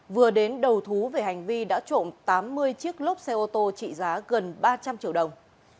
vừa đến đầu thú về hành vi đã trộm tám mươi chiếc lốp xe ô tô trị giá gần ba trăm linh triệu đồng